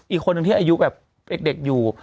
อีกคนนึงที่อายุแบบเด็กอยู่